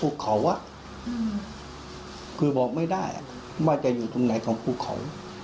คือบอกไม่ได้ว่าจะอยู่ตรงไหนของภูเขา